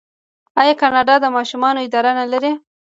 آیا کاناډا د ماشومانو اداره نلري؟